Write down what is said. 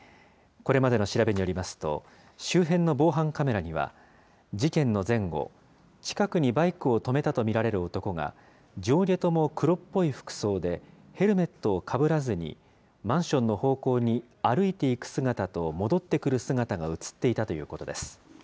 これまでの調べによりますと、周辺の防犯カメラには、事件の前後、近くバイクを止めたと見られる男が、上下とも黒っぽい服装で、ヘルメットをかぶらずに、マンションの方向に歩いていく姿と、戻ってくる姿が写っていたということです。